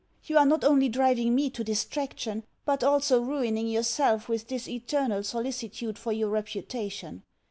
You are not only driving me to distraction but also ruining yourself with this eternal solicitude for your reputation.